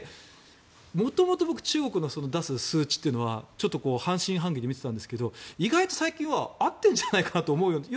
もともと僕、中国の出す数値はちょっと半信半疑で見ていたんですけど意外と最近は合っているんじゃないかと思うようになって。